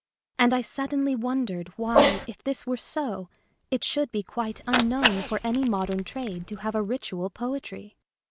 And I suddenly wondered why if this were so it should be quite unknown for any modern trade to have a ritual poetry.